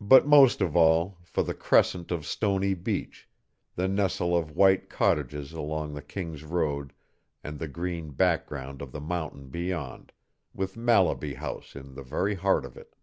But most of all for the crescent of stony beach, the nestle of white cottages along the King's Road, and the green background of the mountain beyond, with Mallaby House in the very heart of it.